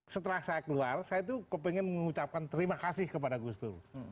setelah saya keluar saya itu kepengen mengucapkan terima kasih kepada gus dur